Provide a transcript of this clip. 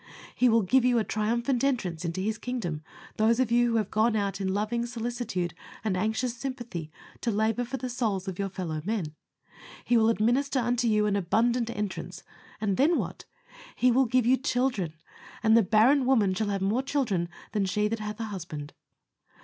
He will give you a triumphant entrance into His kingdom, those of you who have gone out in loving solicitude and anxious sympathy to labor for the souls of your fellow men. He will administer unto you an abundant entrance, and then what? He will give you CHILDREN; and the barren woman shall have more children than she that hath a husband.